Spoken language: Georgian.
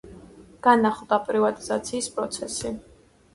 განახლდა პრივატიზაციის პროცესი.